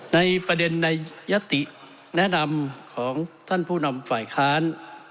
ในประเด็นในยติแนะนำของท่านผู้นำฝ่ายค้าน